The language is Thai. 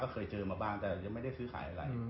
เคยเจอมาบ้างแต่ยังไม่ได้ซื้อขายอะไร